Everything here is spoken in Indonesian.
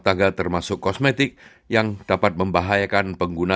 kita perlu memiliki kontrol yang lebih ketat dan juga penelitian